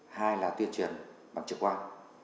hai là tuyên truyền bằng trực quan